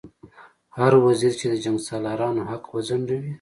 هر وزیر چې د جنګسالارانو حق وځنډوي.